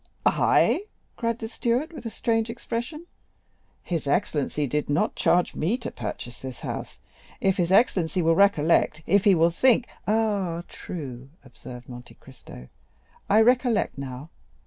"I," cried the steward with a strange expression. "His excellency did not charge me to purchase this house. If his excellency will recollect—if he will think——" "Ah, true," observed Monte Cristo; "I recollect now.